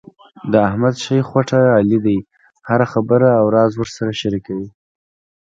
د احمد ښۍ خوټه علي دی، هره خبره او راز ورسره شریکوي.